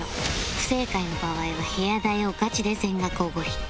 不正解の場合は部屋代をガチで全額奢り